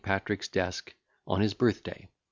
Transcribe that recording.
PATRICK'S DESK, ON HIS BIRTH DAY.